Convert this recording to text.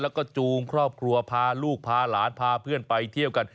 แล้วก็จูงครอบครัวพาลูกพาหลานพาเพื่อนไปเที่ยวกัน